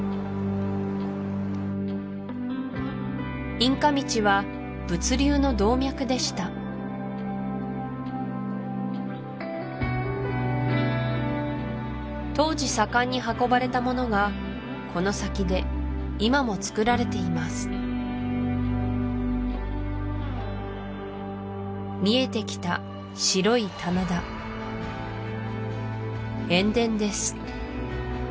インカ道は物流の動脈でした当時盛んに運ばれたものがこの先で今も作られています見えてきた白い棚田塩田です